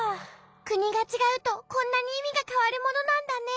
くにがちがうとこんなにいみがかわるものなんだね。